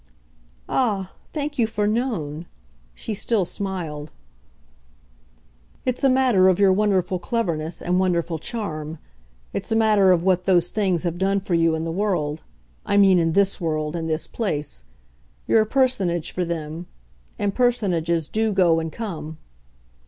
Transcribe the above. "Ah, thank you for 'known'!" she still smiled. "It's a matter of your wonderful cleverness and wonderful charm. It's a matter of what those things have done for you in the world I mean in THIS world and this place. You're a Personage for them and Personages do go and come."